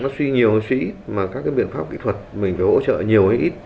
nó suy nhiều hay suy ít mà các cái biện pháp kỹ thuật mình phải hỗ trợ nhiều hay ít